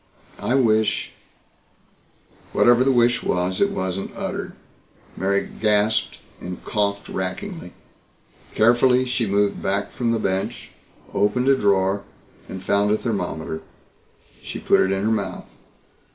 I wish " Whatever the wish was, it wasn't uttered. Mary gasped and coughed rackingly. Carefully she moved back from the bench, opened a drawer and found a thermometer. She put it in her mouth.